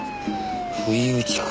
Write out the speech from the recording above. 不意打ちか。